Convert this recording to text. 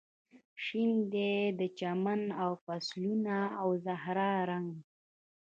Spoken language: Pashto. شین دی د چمن او فصلونو او زهرا رنګ